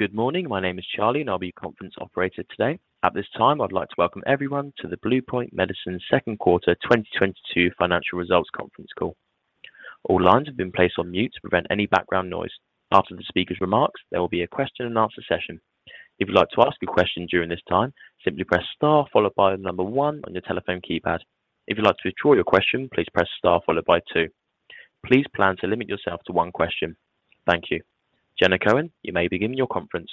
Good morning. My name is Charlie, and I'll be your conference operator today. At this time, I'd like to welcome everyone to the Blueprint Medicines Second Quarter 2022 Financial Results Conference Call. All lines have been placed on mute to prevent any background noise. After the speaker's remarks, there will be a question and answer session. If you'd like to ask a question during this time, simply press star followed by the number one on your telephone keypad. If you'd like to withdraw your question, please press star followed by two. Please plan to limit yourself to one question. Thank you. Jenna Cohen, you may begin your conference.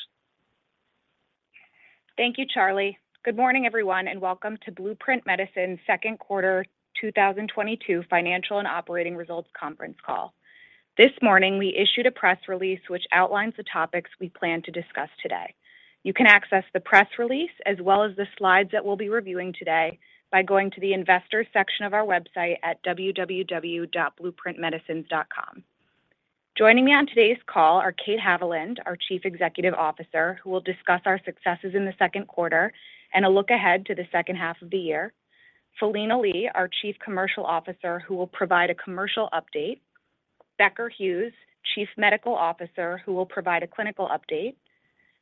Thank you, Charlie. Good morning, everyone, and welcome to Blueprint Medicines' Second Quarter 2022 Financial and Operating Results Conference Call. This morning, we issued a press release which outlines the topics we plan to discuss today. You can access the press release as well as the slides that we'll be reviewing today by going to the investors section of our website at www.blueprintmedicines.com. Joining me on today's call are Kate Haviland, our Chief Executive Officer, who will discuss our successes in the second quarter and a look ahead to the second half of the year. Philina Lee, our Chief Commercial Officer, who will provide a commercial update. Becker Hewes, Chief Medical Officer, who will provide a clinical update.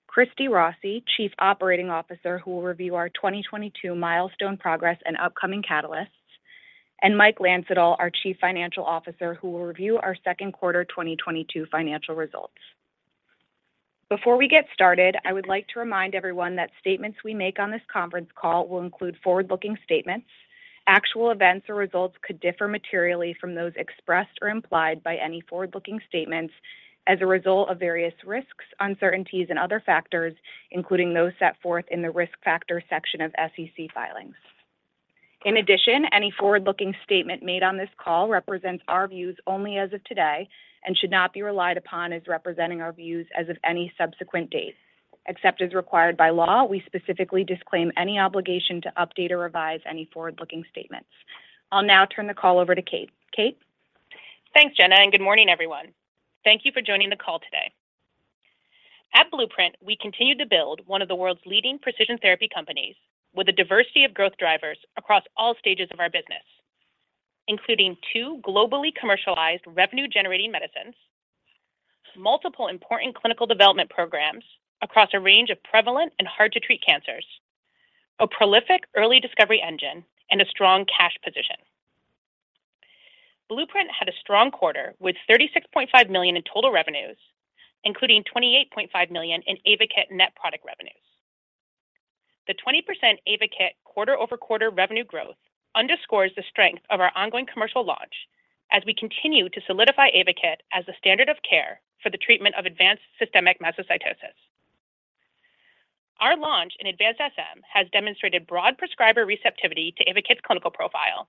Christina Rossi, Chief Operating Officer, who will review our 2022 milestone progress and upcoming catalysts. Mike Landsittel, our Chief Financial Officer, who will review our second quarter 2022 financial results. Before we get started, I would like to remind everyone that statements we make on this conference call will include forward-looking statements. Actual events or results could differ materially from those expressed or implied by any forward-looking statements as a result of various risks, uncertainties and other factors, including those set forth in the Risk Factors section of SEC filings. In addition, any forward-looking statement made on this call represents our views only as of today and should not be relied upon as representing our views as of any subsequent date. Except as required by law, we specifically disclaim any obligation to update or revise any forward-looking statements. I'll now turn the call over to Kate. Kate? Thanks, Jenna, and good morning, everyone. Thank you for joining the call today. At Blueprint, we continue to build one of the world's leading precision therapy companies with a diversity of growth drivers across all stages of our business, including two globally commercialized revenue-generating medicines, multiple important clinical development programs across a range of prevalent and hard to treat cancers, a prolific early discovery engine and a strong cash position. Blueprint had a strong quarter with $36.5 million in total revenues, including $28.5 million in AYVAKIT net product revenues. The 20% AYVAKIT quarter-over-quarter revenue growth underscores the strength of our ongoing commercial launch as we continue to solidify AYVAKIT as a standard of care for the treatment of advanced systemic mastocytosis. Our launch in Advanced SM has demonstrated broad prescriber receptivity to AYVAKIT's clinical profile.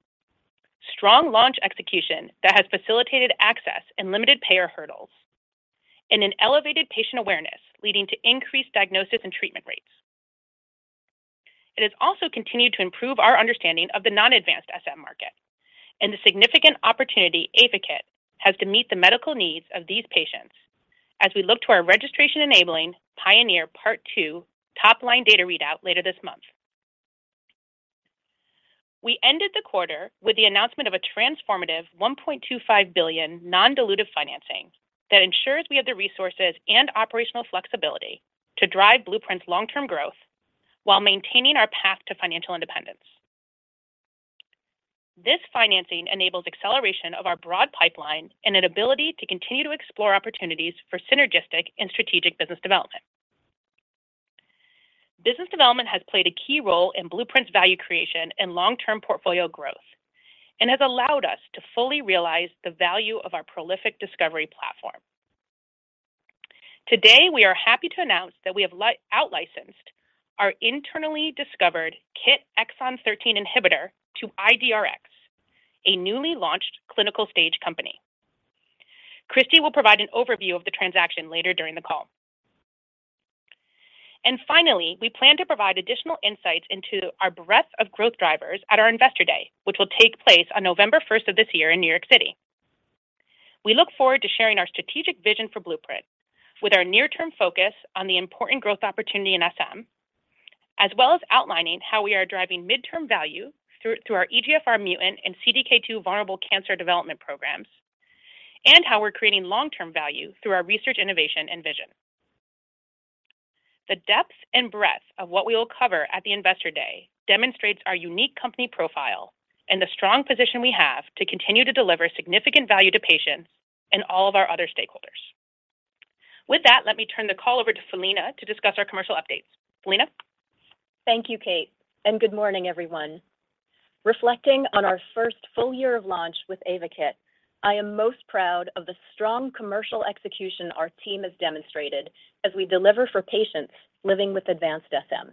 Strong launch execution that has facilitated access and limited payer hurdles and an elevated patient awareness leading to increased diagnosis and treatment rates. It has also continued to improve our understanding of the non-advanced SM market and the significant opportunity AYVAKIT has to meet the medical needs of these patients. As we look to our registration-enabling PIONEER Part Two top-line data readout later this month. We ended the quarter with the announcement of a transformative $1.25 billion non-dilutive financing that ensures we have the resources and operational flexibility to drive Blueprint's long-term growth while maintaining our path to financial independence. This financing enables acceleration of our broad pipeline and an ability to continue to explore opportunities for synergistic and strategic business development. Business development has played a key role in Blueprint's value creation and long-term portfolio growth and has allowed us to fully realize the value of our prolific discovery platform. Today, we are happy to announce that we have outlicensed our internally discovered KIT exon 13 inhibitor to IDRx, a newly launched clinical-stage company. Christina will provide an overview of the transaction later during the call. Finally, we plan to provide additional insights into our breadth of growth drivers at our Investor Day, which will take place on November first of this year in New York City. We look forward to sharing our strategic vision for Blueprint with our near-term focus on the important growth opportunity in SM, as well as outlining how we are driving mid-term value through our EGFR mutant and CDK2 vulnerable cancer development programs, and how we're creating long-term value through our research, innovation, and vision. The depth and breadth of what we will cover at the Investor Day demonstrates our unique company profile and the strong position we have to continue to deliver significant value to patients and all of our other stakeholders. With that, let me turn the call over to Philina to discuss our commercial updates. Philina? Thank you, Kate, and good morning, everyone. Reflecting on our first full year of launch with AYVAKIT, I am most proud of the strong commercial execution our team has demonstrated as we deliver for patients living with advanced SM.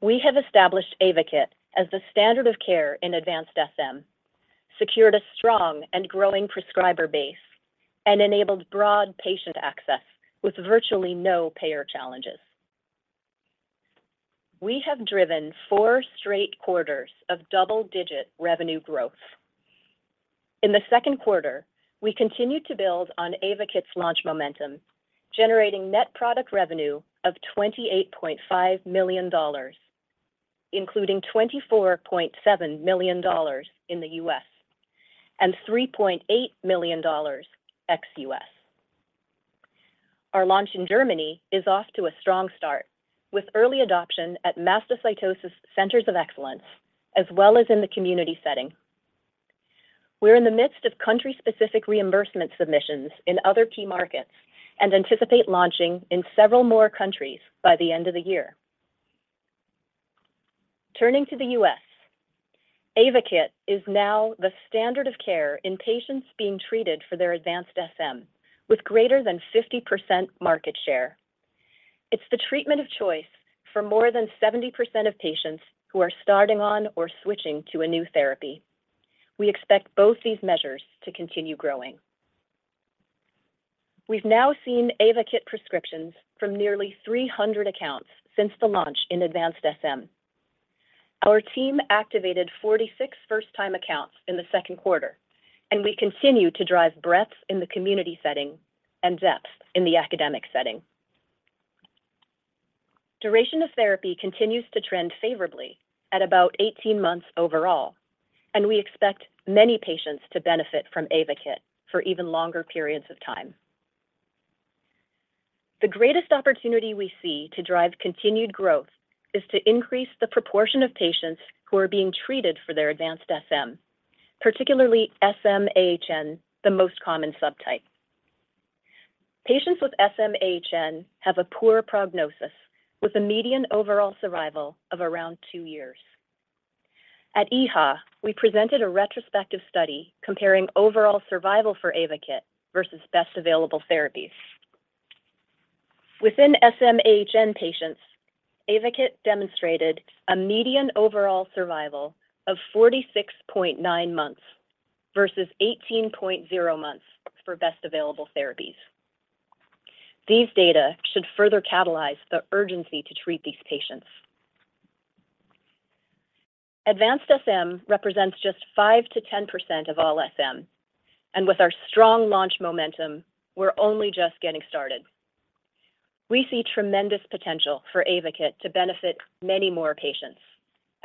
We have established AYVAKIT as the standard of care in advanced SM, secured a strong and growing prescriber base, and enabled broad patient access with virtually no payer challenges. We have driven four straight quarters of double-digit revenue growth. In the second quarter, we continued to build on AYVAKIT's launch momentum, generating net product revenue of $28.5 million. Including $24.7 million in the U.S. and $3.8 million ex-U.S. Our launch in Germany is off to a strong start with early adoption at Mastocytosis Centers of Excellence as well as in the community setting. We're in the midst of country-specific reimbursement submissions in other key markets and anticipate launching in several more countries by the end of the year. Turning to the U.S., AYVAKIT is now the standard of care in patients being treated for their advanced SM with greater than 50% market share. It's the treatment of choice for more than 70% of patients who are starting on or switching to a new therapy. We expect both these measures to continue growing. We've now seen AYVAKIT prescriptions from nearly 300 accounts since the launch in advanced SM. Our team activated 46 first-time accounts in the second quarter, and we continue to drive breadth in the community setting and depth in the academic setting. Duration of therapy continues to trend favorably at about 18 months overall, and we expect many patients to benefit from AYVAKIT for even longer periods of time. The greatest opportunity we see to drive continued growth is to increase the proportion of patients who are being treated for their advanced SM, particularly SM-AHN, the most common subtype. Patients with SM-AHN have a poor prognosis, with a median overall survival of around two years. At EHA, we presented a retrospective study comparing overall survival for AYVAKIT versus best available therapies. Within SM-AHN patients, AYVAKIT demonstrated a median overall survival of 46.9 months versus 18.0 months for best available therapies. These data should further catalyze the urgency to treat these patients. Advanced SM represents just 5%-10% of all SM, and with our strong launch momentum, we're only just getting started. We see tremendous potential for AYVAKIT to benefit many more patients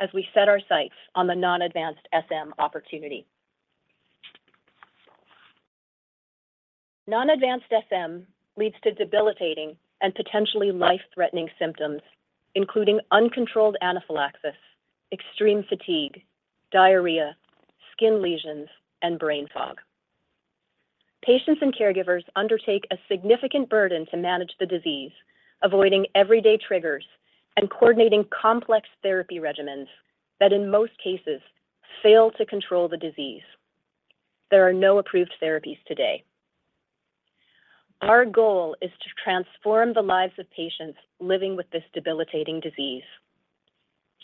as we set our sights on the non-advanced SM opportunity. Non-advanced SM leads to debilitating and potentially life-threatening symptoms, including uncontrolled anaphylaxis, extreme fatigue, diarrhea, skin lesions, and brain fog. Patients and caregivers undertake a significant burden to manage the disease, avoiding everyday triggers and coordinating complex therapy regimens that in most cases fail to control the disease. There are no approved therapies today. Our goal is to transform the lives of patients living with this debilitating disease.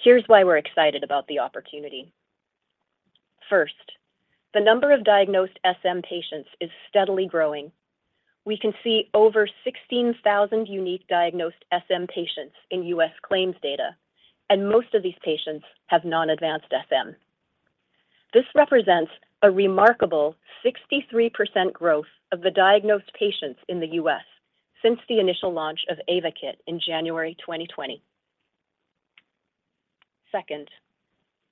Here's why we're excited about the opportunity. First, the number of diagnosed SM patients is steadily growing. We can see over 16,000 unique diagnosed SM patients in U.S. claims data, and most of these patients have non-advanced SM. This represents a remarkable 63% growth of the diagnosed patients in the U.S. since the initial launch of AYVAKIT in January 2020. Second,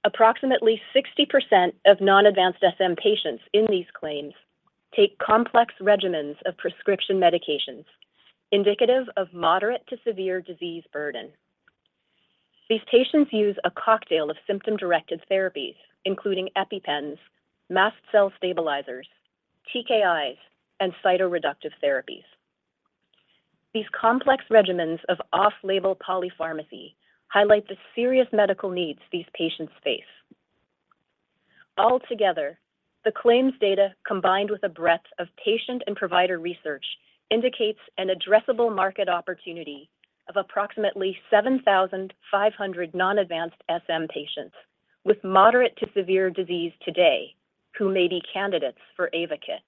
approximately 60% of non-advanced SM patients in these claims take complex regimens of prescription medications indicative of moderate to severe disease burden. These patients use a cocktail of symptom-directed therapies, including EpiPen, mast cell stabilizers, TKIs, and cytoreductive therapies. These complex regimens of off-label polypharmacy highlight the serious medical needs these patients face. Altogether, the claims data combined with a breadth of patient and provider research indicates an addressable market opportunity of approximately 7,500 non-advanced SM patients with moderate to severe disease today who may be candidates for AYVAKIT.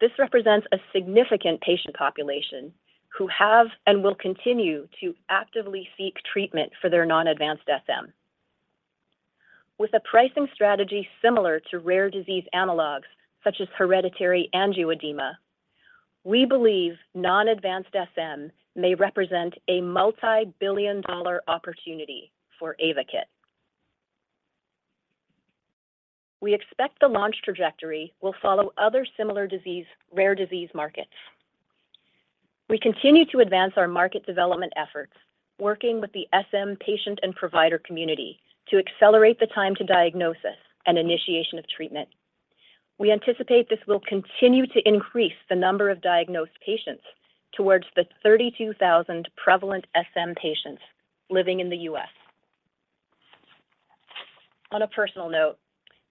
This represents a significant patient population who have and will continue to actively seek treatment for their non-advanced SM. With a pricing strategy similar to rare disease analogs such as hereditary angioedema, we believe non-advanced SM may represent a multi-billion dollar opportunity for AYVAKIT. We expect the launch trajectory will follow other rare disease markets. We continue to advance our market development efforts, working with the SM patient and provider community to accelerate the time to diagnosis and initiation of treatment. We anticipate this will continue to increase the number of diagnosed patients towards the 32,000 prevalent SM patients living in the U.S. On a personal note,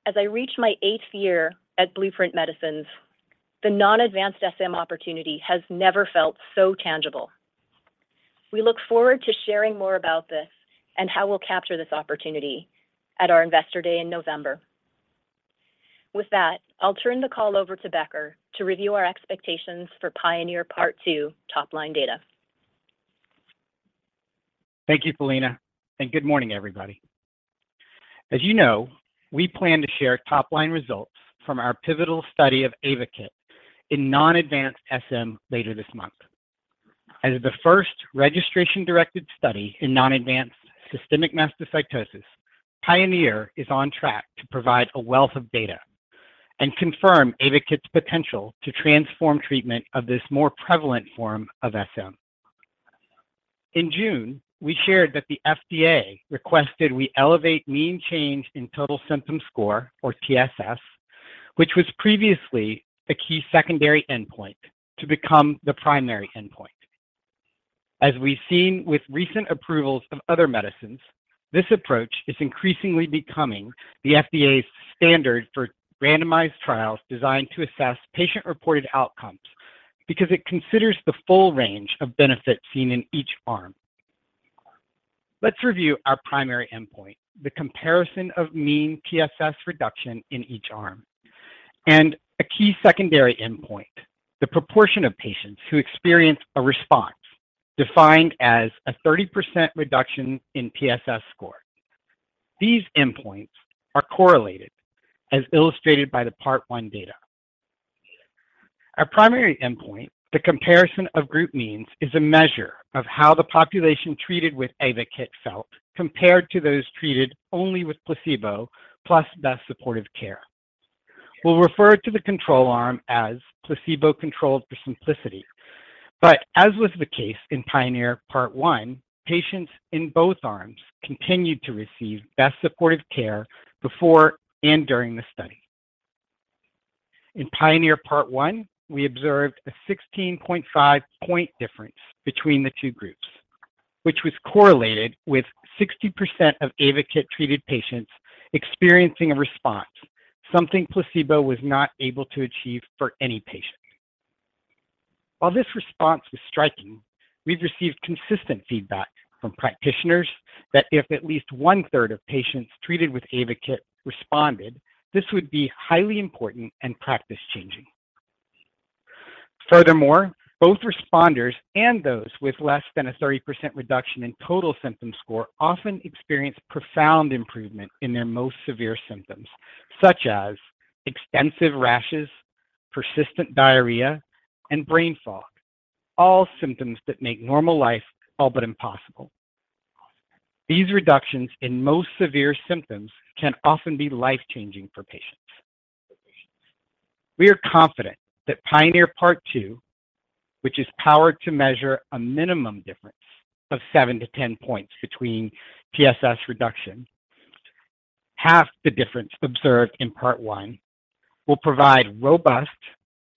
as I reach my eighth year at Blueprint Medicines, the non-advanced SM opportunity has never felt so tangible. We look forward to sharing more about this and how we'll capture this opportunity at our Investor Day in November. With that, I'll turn the call over to Becker to review our expectations for PIONEER Part Two top-line data. Thank you, Philina, and good morning, everybody. As you know, we plan to share top-line results from our pivotal study of AYVAKIT in non-advanced SM later this month. As the first registration-directed study in non-advanced systemic mastocytosis, PIONEER is on track to provide a wealth of data and confirm AYVAKIT's potential to transform treatment of this more prevalent form of SM. In June, we shared that the FDA requested we elevate mean change in total symptom score or TSS, which was previously a key secondary endpoint to become the primary endpoint. As we've seen with recent approvals of other medicines, this approach is increasingly becoming the FDA's standard for randomized trials designed to assess patient-reported outcomes because it considers the full range of benefits seen in each arm. Let's review our primary endpoint, the comparison of mean TSS reduction in each arm, and a key secondary endpoint, the proportion of patients who experience a response defined as a 30% reduction in TSS score. These endpoints are correlated as illustrated by the Part One data. Our primary endpoint, the comparison of group means, is a measure of how the population treated with AYVAKIT felt compared to those treated only with placebo plus best supportive care. We'll refer to the control arm as placebo-controlled for simplicity. As was the case in PIONEER Part One, patients in both arms continued to receive best supportive care before and during the study. In PIONEER Part One, we observed a 16.5-point difference between the two groups, which was correlated with 60% of AYVAKIT-treated patients experiencing a response, something placebo was not able to achieve for any patient. While this response was striking, we've received consistent feedback from practitioners that if at least one-third of patients treated with AYVAKIT responded, this would be highly important and practice-changing. Furthermore, both responders and those with less than a 30% reduction in total symptom score often experience profound improvement in their most severe symptoms, such as extensive rashes, persistent diarrhea, and brain fog, all symptoms that make normal life all but impossible. These reductions in most severe symptoms can often be life-changing for patients. We are confident that PIONEER Part Two, which is powered to measure a minimum difference of 7-10 points between TSS reduction, half the difference observed in Part One, will provide robust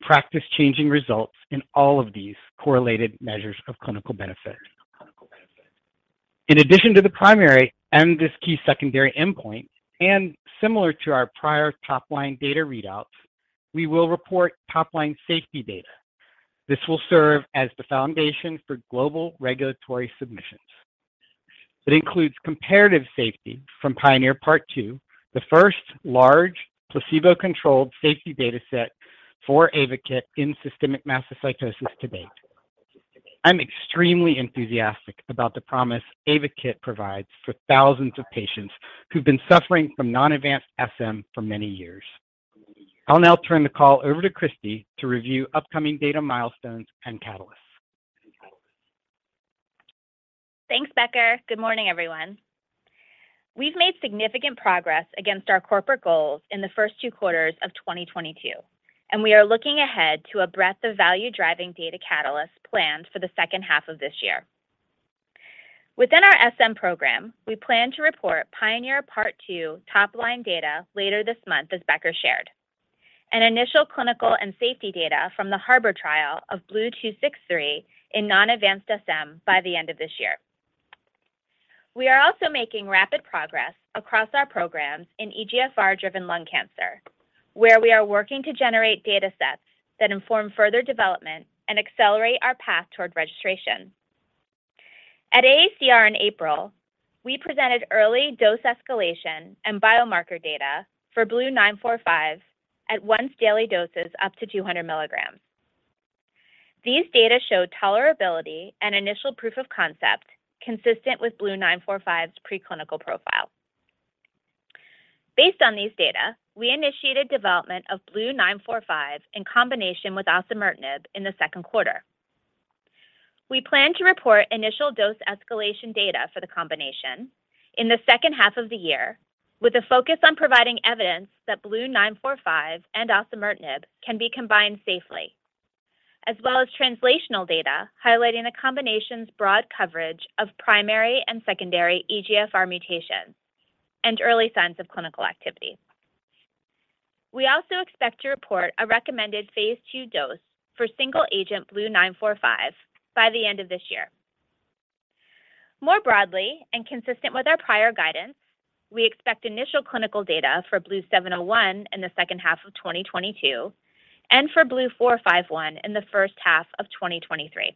practice-changing results in all of these correlated measures of clinical benefit. In addition to the primary and this key secondary endpoint, and similar to our prior top-line data readouts, we will report top-line safety data. This will serve as the foundation for global regulatory submissions. It includes comparative safety from PIONEER Part Two, the first large placebo-controlled safety data set for AYVAKIT in systemic mastocytosis to date. I'm extremely enthusiastic about the promise AYVAKIT provides for thousands of patients who've been suffering from non-advanced SM for many years. I'll now turn the call over to Christina to review upcoming data milestones and catalysts. Thanks, Becker. Good morning, everyone. We've made significant progress against our corporate goals in the first two quarters of 2022, and we are looking ahead to a breadth of value-driving data catalysts planned for the second half of this year. Within our SM program, we plan to report PIONEER Part 2 top-line data later this month, as Becker shared, and initial clinical and safety data from the HARBOR trial of BLU-263 in non-advanced SM by the end of this year. We are also making rapid progress across our programs in EGFR-driven lung cancer, where we are working to generate data sets that inform further development and accelerate our path toward registration. At AACR in April, we presented early dose escalation and biomarker data for BLU-945 at once daily doses up to 200 mg. These data showed tolerability and initial proof of concept consistent with BLU-945's preclinical profile. Based on these data, we initiated development of BLU-945 in combination with osimertinib in the second quarter. We plan to report initial dose escalation data for the combination in the second half of the year with a focus on providing evidence that BLU-945 and osimertinib can be combined safely, as well as translational data highlighting the combination's broad coverage of primary and secondary EGFR mutations and early signs of clinical activity. We also expect to report a recommended phase II dose for single agent BLU-945 by the end of this year. More broadly and consistent with our prior guidance, we expect initial clinical data for BLU-701 in the second half of 2022 and for BLU-451 in the first half of 2023.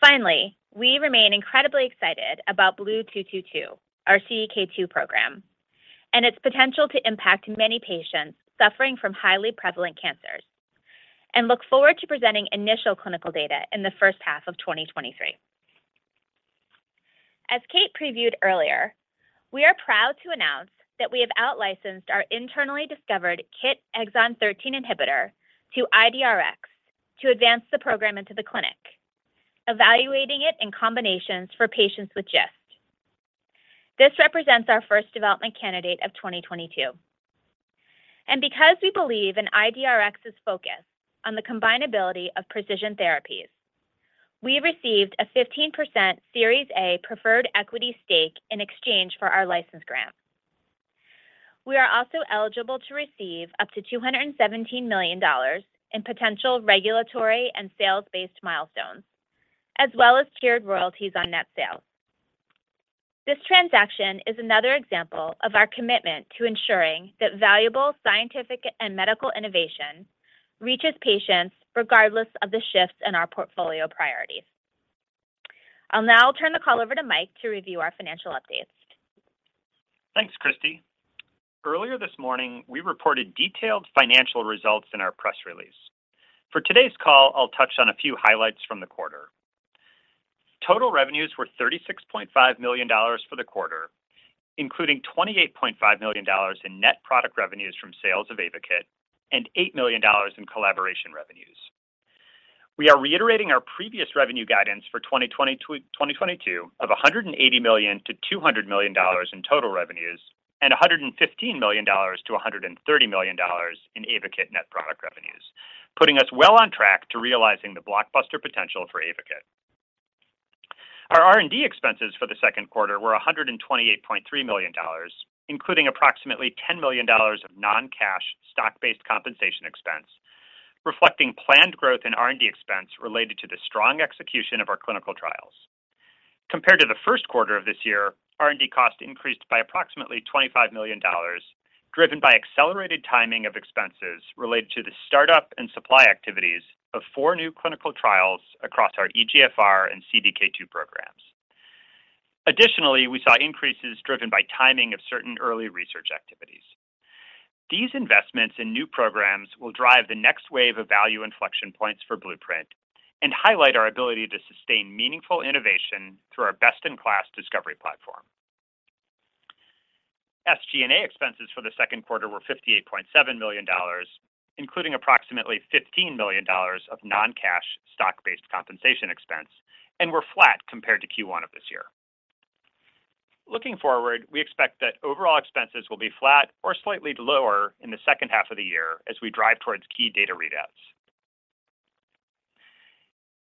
Finally, we remain incredibly excited about BLU-222, our CDK2 program, and its potential to impact many patients suffering from highly prevalent cancers. We look forward to presenting initial clinical data in the first half of 2023. As Kate previewed earlier, we are proud to announce that we have out-licensed our internally discovered KIT exon 13 inhibitor to IDRx to advance the program into the clinic, evaluating it in combinations for patients with GIST. This represents our first development candidate of 2022. Because we believe in IDRx's focus on the combinability of precision therapies, we received a 15% series A preferred equity stake in exchange for our license grant. We are also eligible to receive up to $217 million in potential regulatory and sales-based milestones, as well as tiered royalties on net sales. This transaction is another example of our commitment to ensuring that valuable scientific and medical innovation reaches patients regardless of the shifts in our portfolio priorities. I'll now turn the call over to Mike to review our financial updates. Thanks, Christina. Earlier this morning, we reported detailed financial results in our press release. For today's call, I'll touch on a few highlights from the quarter. Total revenues were $36.5 million for the quarter, including $28.5 million in net product revenues from sales of AYVAKIT and $8 million in collaboration revenues. We are reiterating our previous revenue guidance for 2022 of $180 million-$200 million in total revenues and $115 million-$130 million in AYVAKIT net product revenues, putting us well on track to realizing the blockbuster potential for AYVAKIT. Our R&D expenses for the second quarter were $128.3 million, including approximately $10 million of non-cash stock-based compensation expense, reflecting planned growth in R&D expense related to the strong execution of our clinical trials. Compared to the first quarter of this year, R&D cost increased by approximately $25 million, driven by accelerated timing of expenses related to the startup and supply activities of four new clinical trials across our EGFR and CDK2 programs. Additionally, we saw increases driven by timing of certain early research activities. These investments in new programs will drive the next wave of value inflection points for Blueprint and highlight our ability to sustain meaningful innovation through our best-in-class discovery platform. SG&A expenses for the second quarter were $58.7 million, including approximately $15 million of non-cash stock-based compensation expense, and were flat compared to Q1 of this year. Looking forward, we expect that overall expenses will be flat or slightly lower in the second half of the year as we drive towards key data readouts.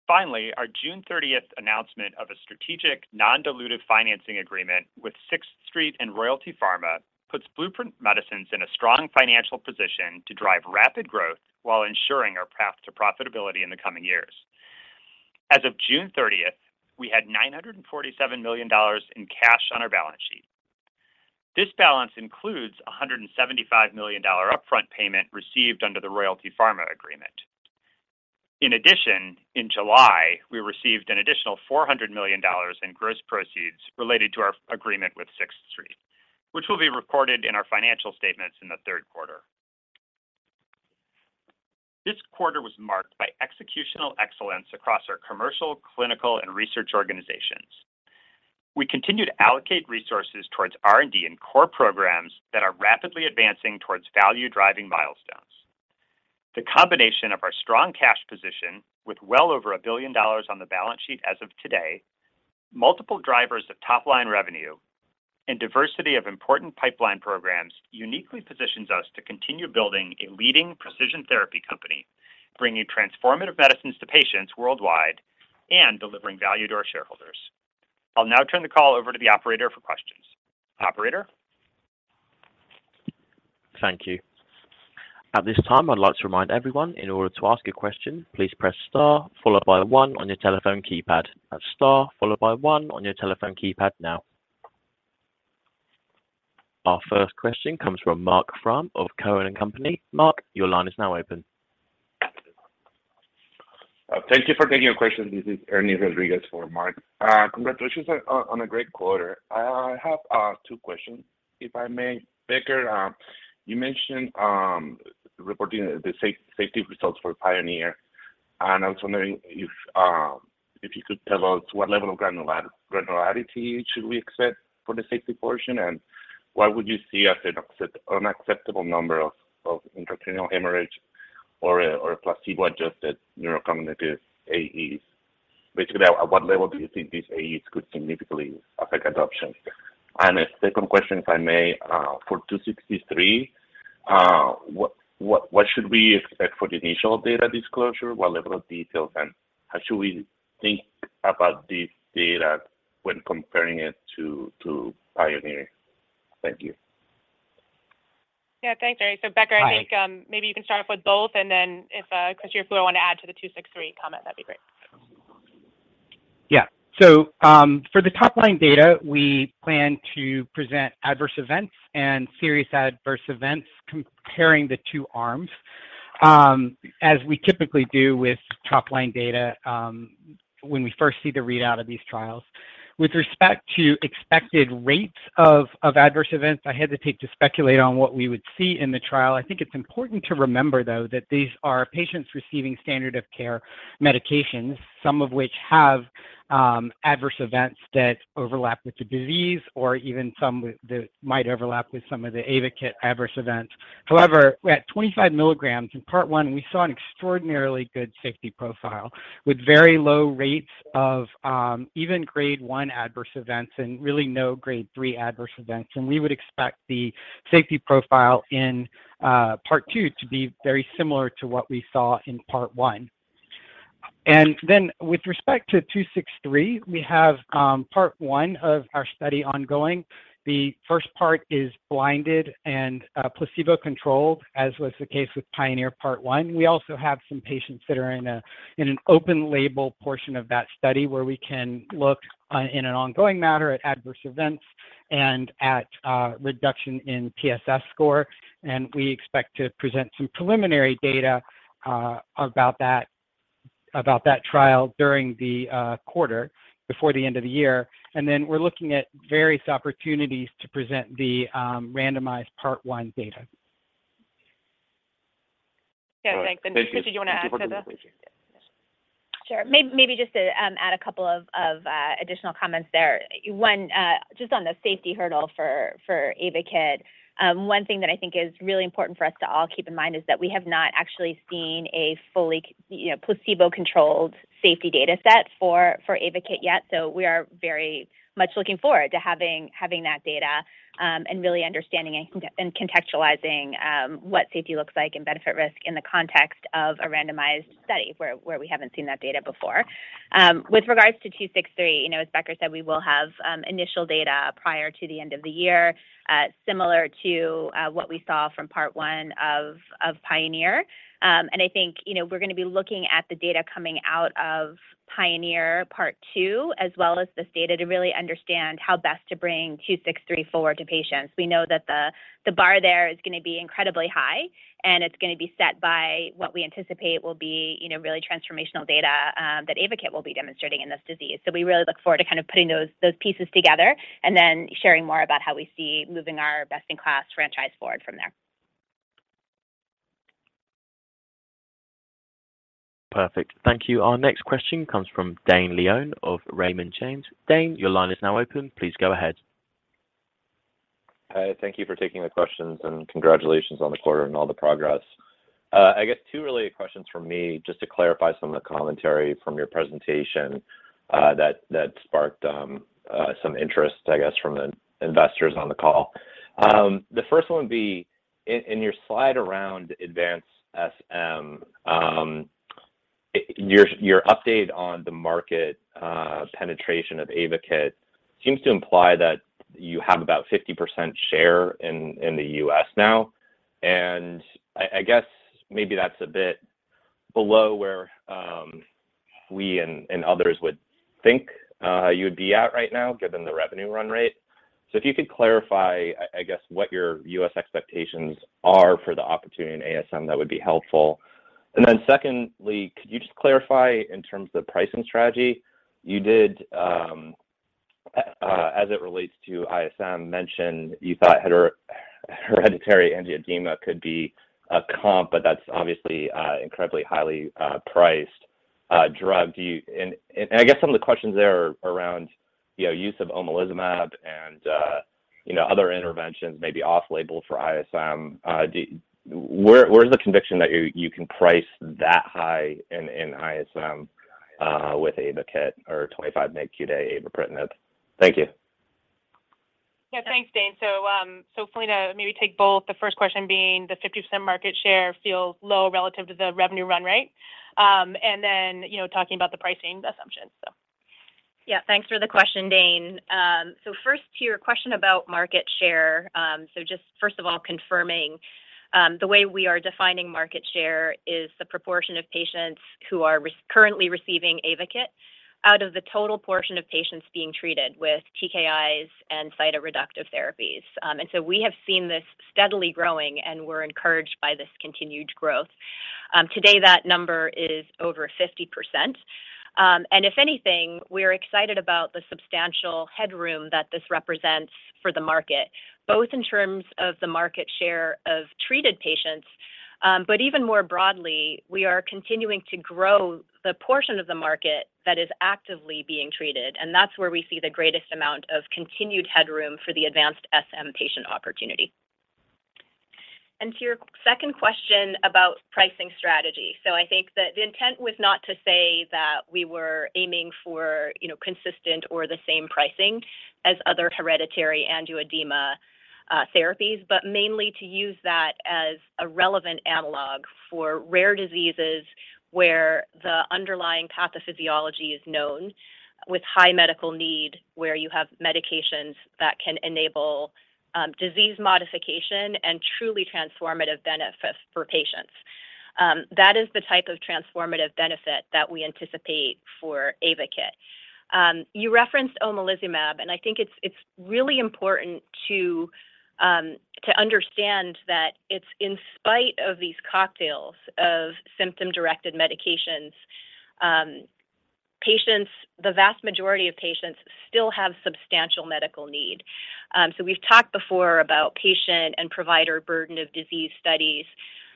Finally, our June 30th announcement of a strategic non-dilutive financing agreement with Sixth Street and Royalty Pharma puts Blueprint Medicines in a strong financial position to drive rapid growth while ensuring our path to profitability in the coming years. As of June 30th, we had $947 million in cash on our balance sheet. This balance includes a $175 million upfront payment received under the Royalty Pharma agreement. In addition, in July, we received an additional $400 million in gross proceeds related to our agreement with Sixth Street, which will be recorded in our financial statements in the third quarter. This quarter was marked by executional excellence across our commercial, clinical, and research organizations. We continue to allocate resources towards R&D and core programs that are rapidly advancing towards value-driving milestones. The combination of our strong cash position with well over $1 billion on the balance sheet as of today, multiple drivers of top-line revenue, and diversity of important pipeline programs uniquely positions us to continue building a leading precision therapy company, bringing transformative medicines to patients worldwide and delivering value to our shareholders. I'll now turn the call over to the operator for questions. Operator? Thank you. At this time, I'd like to remind everyone, in order to ask a question, please press star followed by one on your telephone keypad. That's star followed by one on your telephone keypad now. Our first question comes from Marc Frahm of Cowen and Company. Marc, your line is now open. Thank you for taking the question. This is Ernie Rodriguez for Marc Frahm. Congratulations on a great quarter. I have two questions, if I may. Becker, you mentioned reporting the safety results for PIONEER, and I was wondering if you could tell us what level of granularity should we expect for the safety portion, and what would you see as an unacceptable number of intracranial hemorrhage or a placebo-adjusted neurocognitive AEs? Basically, at what level do you think these AEs could significantly affect adoption? A second question, if I may, for BLU-263, what should we expect for the initial data disclosure? What level of details, and how should we think about this data when comparing it to PIONEER? Thank you. Yeah. Thanks, Ernie. Hi. Becker, I think maybe you can start off with both, and then if Christina, you want to add to the BLU-263 comment, that'd be great. Yeah. For the top-line data, we plan to present adverse events and serious adverse events comparing the two arms, as we typically do with top-line data, when we first see the readout of these trials. With respect to expected rates of adverse events, I hesitate to speculate on what we would see in the trial. I think it's important to remember, though, that these are patients receiving standard of care medications, some of which have adverse events that overlap with the disease or even some that might overlap with some of the AYVAKIT adverse events. However, at 25 mg in Part One, we saw an extraordinarily good safety profile with very low rates of even grade one adverse events and really no grade three adverse events. We would expect the safety profile in Part Two to be very similar to what we saw in Part One. With respect to BLU-263, we have Part One of our study ongoing. The first part is blinded and placebo-controlled, as was the case with PIONEER Part One. We also have some patients that are in an open label portion of that study where we can look in an ongoing manner at adverse events and at reduction in TSS score. We expect to present some preliminary data about that trial during the quarter before the end of the year. We're looking at various opportunities to present the randomized Part 1 data. Okay. Thanks. Christina, do you want to add to this? Sure. Maybe just to add a couple of additional comments there. One, just on the safety hurdle for AYVAKIT. One thing that I think is really important for us to all keep in mind is that we have not actually seen a fully, you know, placebo-controlled safety data set for AYVAKIT yet. We are very much looking forward to having that data, and really understanding and contextualizing what safety looks like and benefit risk in the context of a randomized study where we haven't seen that data before. With regards to BLU-263, you know, as Becker said, we will have initial data prior to the end of the year, similar to what we saw from Part One of PIONEER. I think, you know, we're going to be looking at the data coming out of PIONEER Part Two, as well as this data to really understand how best to bring BLU-263 forward to patients. We know that the bar there is going to be incredibly high, and it's going to be set by what we anticipate will be, you know, really transformational data that AYVAKIT will be demonstrating in this disease. We really look forward to kind of putting those pieces together and then sharing more about how we see moving our best-in-class franchise forward from there. Perfect. Thank you. Our next question comes from Dane Leone of Raymond James. Dane, your line is now open. Please go ahead. Hi, thank you for taking the questions, and congratulations on the quarter and all the progress. I guess two really questions from me just to clarify some of the commentary from your presentation, that sparked some interest, I guess, from the investors on the call. The first one would be in your slide around advanced SM, your update on the market penetration of AYVAKIT seems to imply that you have about 50% share in the U.S. now. I guess maybe that's a bit below where we and others would think you would be at right now given the revenue run rate. If you could clarify, I guess what your U.S. expectations are for the opportunity in ASM, that would be helpful. Secondly, could you just clarify in terms of the pricing strategy, you did, as it relates to ISM mentioned you thought hereditary angioedema could be a comp, but that's obviously an incredibly highly priced drug. I guess some of the questions there are around, you know, use of omalizumab and, you know, other interventions, maybe off-label for ISM. Where's the conviction that you can price that high in ISM with AYVAKIT or 25 mg a day avapritinib? Thank you. Yeah. Thanks, Dane. Philina, maybe take both. The first question being the 50% market share feels low relative to the revenue run rate. You know, talking about the pricing assumptions. Yeah. Thanks for the question, Dane. First to your question about market share. Just first of all, confirming the way we are defining market share is the proportion of patients who are currently receiving AYVAKIT out of the total portion of patients being treated with TKIs and cytoreductive therapies. We have seen this steadily growing, and we're encouraged by this continued growth. Today, that number is over 50%. If anything, we're excited about the substantial headroom that this represents for the market, both in terms of the market share of treated patients. Even more broadly, we are continuing to grow the portion of the market that is actively being treated, and that's where we see the greatest amount of continued headroom for the advanced SM patient opportunity. To your second question about pricing strategy. I think that the intent was not to say that we were aiming for, you know, consistent or the same pricing as other hereditary angioedema therapies, but mainly to use that as a relevant analog for rare diseases where the underlying pathophysiology is known with high medical need, where you have medications that can enable disease modification and truly transformative benefits for patients. That is the type of transformative benefit that we anticipate for AYVAKIT. You referenced omalizumab, and I think it's really important to understand that it's in spite of these cocktails of symptom-directed medications, patients, the vast majority of patients still have substantial medical need. We've talked before about patient and provider burden of disease studies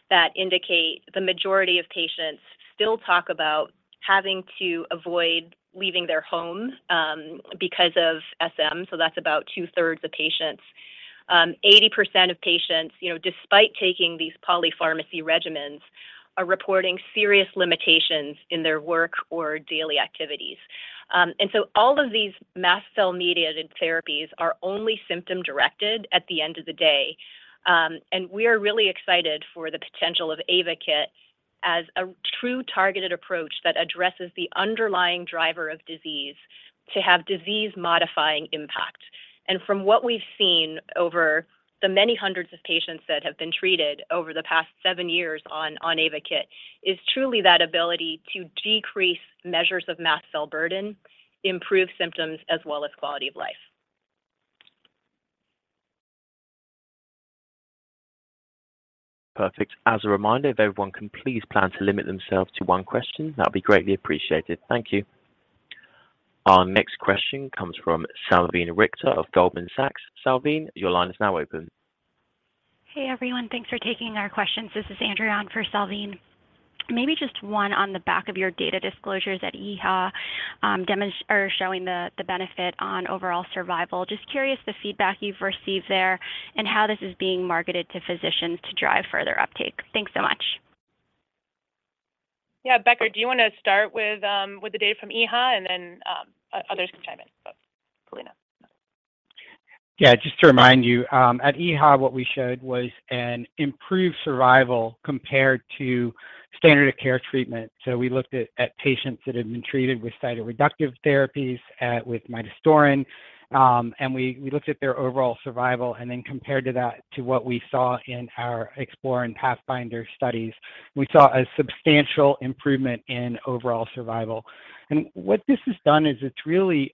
that indicate the majority of patients still talk about having to avoid leaving their home, because of SM, so that's about 2/3 of patients. 80% of patients, you know, despite taking these polypharmacy regimens, are reporting serious limitations in their work or daily activities. All of these mast cell-mediated therapies are only symptom-directed at the end of the day. We are really excited for the potential of AYVAKIT as a true targeted approach that addresses the underlying driver of disease to have disease-modifying impact. From what we've seen over the many hundreds of patients that have been treated over the past seven years on AYVAKIT is truly that ability to decrease measures of mast cell burden, improve symptoms, as well as quality of life. Perfect. As a reminder, if everyone can please plan to limit themselves to one question, that would be greatly appreciated. Thank you. Our next question comes from Salveen Richter of Goldman Sachs. Salveen, your line is now open. Hey, everyone. Thanks for taking our questions. This is Andrea on for Salveen. Maybe just one on the back of your data disclosures at EHA, or showing the benefit on overall survival. Just curious the feedback you've received there and how this is being marketed to physicians to drive further uptake. Thanks so much. Yeah. Becker, do you wanna start with the data from EHA and then others can chime in. Philina. Yeah. Just to remind you, at EHA, what we showed was an improved survival compared to standard of care treatment. We looked at patients that had been treated with cytoreductive therapies with midostaurin, and we looked at their overall survival, and then compared that to what we saw in our EXPLORER and PATHFINDER studies. We saw a substantial improvement in overall survival. What this has done is it's really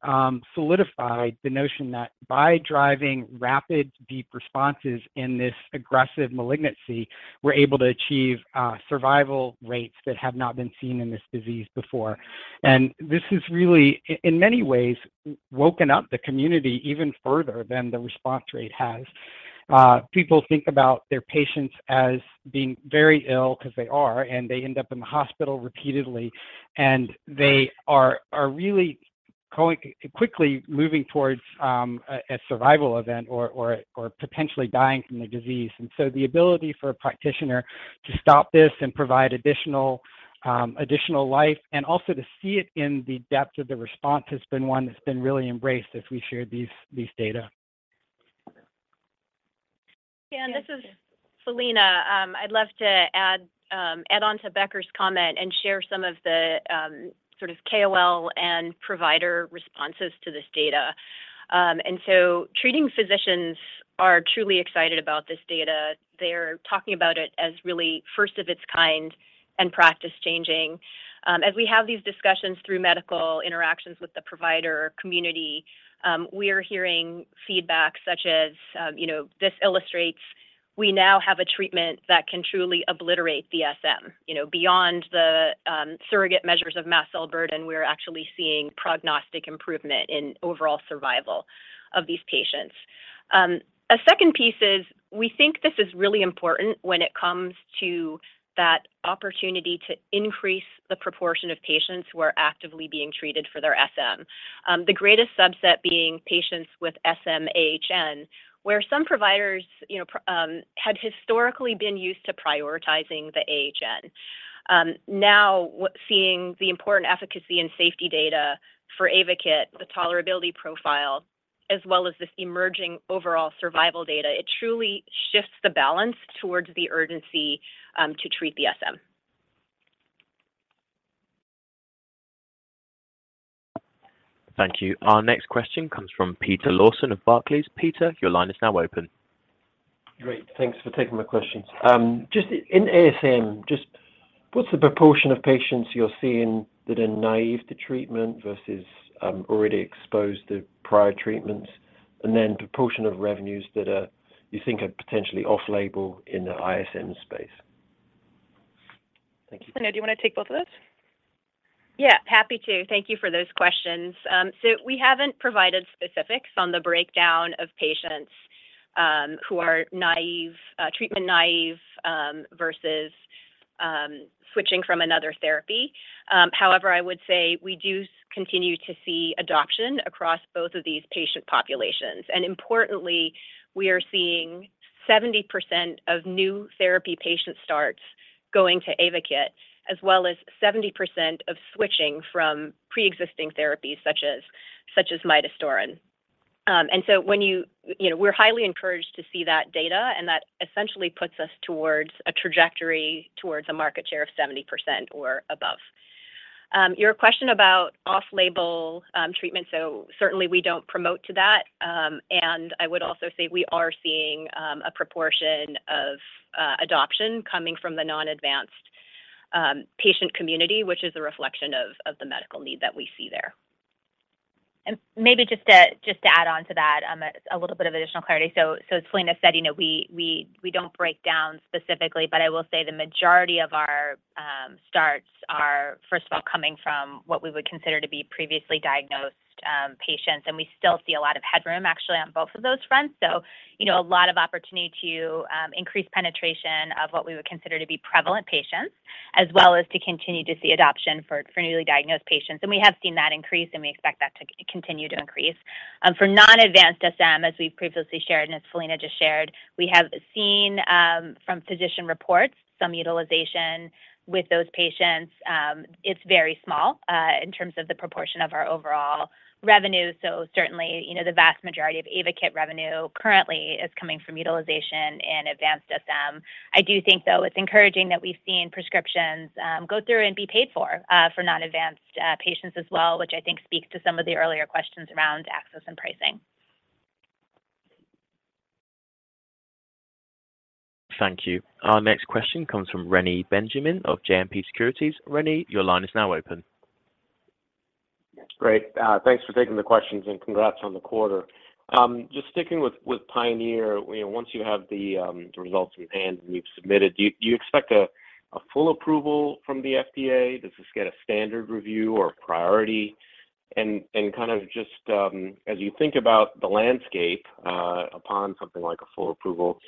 solidified the notion that by driving rapid deep responses in this aggressive malignancy, we're able to achieve survival rates that have not been seen in this disease before. This has really in many ways woken up the community even further than the response rate has. People think about their patients as being very ill because they are, and they end up in the hospital repeatedly, and they are really quickly moving towards a survival event or potentially dying from the disease. The ability for a practitioner to stop this and provide additional life and also to see it in the depth of the response has been one that's been really embraced as we shared these data. Yeah, this is Philina. I'd love to add on to Becker's comment and share some of the sort of KOL and provider responses to this data. Treating physicians are truly excited about this data. They're talking about it as really first of its kind and practice-changing. As we have these discussions through medical interactions with the provider community, we are hearing feedback such as, you know, this illustrates we now have a treatment that can truly obliterate the SM. You know, beyond the surrogate measures of mast cell burden, we're actually seeing prognostic improvement in overall survival of these patients. A second piece is we think this is really important when it comes to that opportunity to increase the proportion of patients who are actively being treated for their SM. The greatest subset being patients with SM-AHN, where some providers had historically been used to prioritizing the AHN. Now seeing the important efficacy and safety data for AYVAKIT, the tolerability profile, as well as this emerging overall survival data, it truly shifts the balance towards the urgency to treat the SM. Thank you. Our next question comes from Peter Lawson of Barclays. Peter, your line is now open. Great. Thanks for taking my questions. Just in ASM, just what's the proportion of patients you're seeing that are naive to treatment versus already exposed to prior treatments? Proportion of revenues that you think are potentially off-label in the ISM space. Thank you. Philina, do you wanna take both of those? Yeah. Happy to. Thank you for those questions. We haven't provided specifics on the breakdown of patients who are treatment-naive versus switching from another therapy. However, I would say we do continue to see adoption across both of these patient populations. Importantly, we are seeing 70% of new therapy patient starts going to AYVAKIT, as well as 70% of switching from pre-existing therapies such as midostaurin. When you know, we're highly encouraged to see that data, and that essentially puts us towards a trajectory towards a market share of 70% or above. Your question about off-label treatment, certainly we don't promote to that. I would also say we are seeing a proportion of adoption coming from the non-advanced patient community, which is a reflection of the medical need that we see there. Maybe just to add on to that, a little bit of additional clarity. So as Philina said, you know, we don't break down specifically, but I will say the majority of our starts are, first of all, coming from what we would consider to be previously diagnosed patients. We still see a lot of headroom actually on both of those fronts. You know, a lot of opportunity to increase penetration of what we would consider to be prevalent patients, as well as to continue to see adoption for newly diagnosed patients. We have seen that increase, and we expect that to continue to increase. For non-advanced SM, as we've previously shared and as Philina just shared, we have seen from physician reports some utilization with those patients. It's very small, in terms of the proportion of our overall revenue. Certainly, you know, the vast majority of AYVAKIT revenue currently is coming from utilization in advanced SM. I do think, though, it's encouraging that we've seen prescriptions go through and be paid for for non-advanced patients as well, which I think speaks to some of the earlier questions around access and pricing. Thank you. Our next question comes from Reni Benjamin of JMP Securities. Reni, your line is now open. Great. Thanks for taking the questions and congrats on the quarter. Just sticking with PIONEER, you know, once you have the results in hand and you've submitted, do you expect a full approval from the FDA? Does this get a standard review or priority? Kind of just, as you think about the landscape, upon something like a full approval,